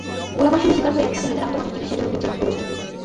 গোলাবর্ষণে শিকার হয়ে হাজার হাজার আহত মানুষ চিকিৎসা জন্য ভিড়ছে তুরস্কে।